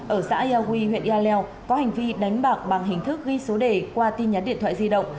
ở xã yà huy huyện yà lèo có hành vi đánh bạc bằng hình thức ghi số đề qua tin nhắn điện thoại di động